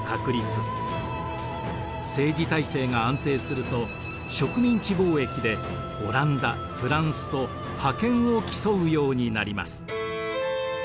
政治体制が安定すると植民地貿易でオランダフランスと覇権を競うようになります。